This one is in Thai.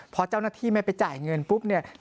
พอเจ้าหน้าที่ไม่ไปจ่ายเงินปุ๊บเนี่ย